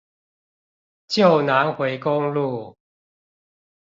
舊南迴公路